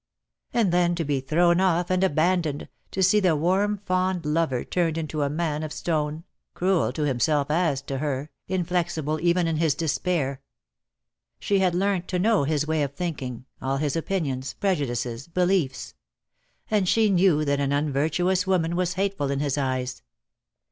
And then to be thrown off and abandoned, to see the warm fond lover turned into a man of stone, cruel to himself as to her, inflexible even in his despair. She had learnt to know his way of think ing, all his opinions, prejudices, beliefs; and she knew that an unvirtuous woman was hateful in his eyes.